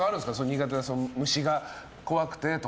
苦手な虫が怖くてとか。